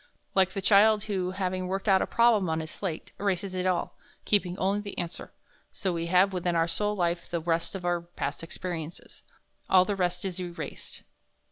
Like the child who, having worked out a problem on his slate, erases it all, keeping only the answer, so we have within our soul life the result of our past experiences; all the rest is erased.